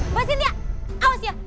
mbak sintia awas ya